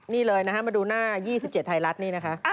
นี่เลยนะฮะมาดูหน้า๒๗ไทยรัฐนี่นะคะ